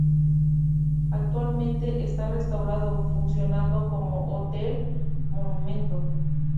Actualmente está restaurado, funcionando como hotel-monumento.